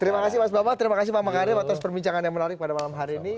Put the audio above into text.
terima kasih mas bapak terima kasih pak makarim atas perbincangan yang menarik pada malam hari ini